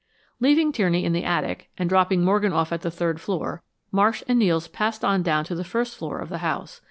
Leaving Tierney in the attic, and dropping Morgan off at the third floor, Marsh and Nels passed on down to the first floor of the house.